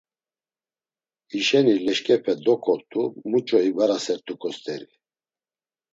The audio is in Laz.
Hişeni, leşǩepe dokot̆u muç̌o ibgarasert̆uǩo st̆eri.